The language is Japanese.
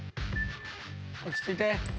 落ち着いて。